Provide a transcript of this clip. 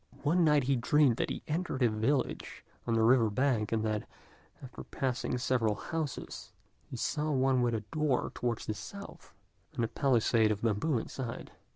One night he dreamed that he entered a village on the river bank, and that, after passing several houses, he saw one with a door towards the south, and a palisade of bamboos inside.